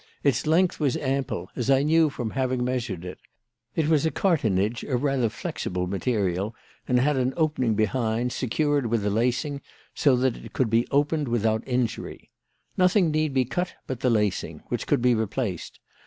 Its length was ample, as I knew from having measured it. It was a cartonnage of rather flexible material and had an opening behind, secured with a lacing so that it could be opened without injury. Nothing need be cut but the lacing, which could be replaced.